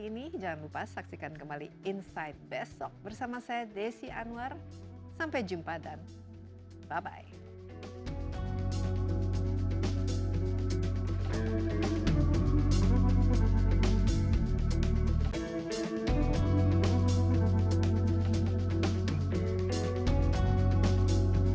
indonesia yang memiliki politik luar negeri bebas aktif harus mampu bersikap netral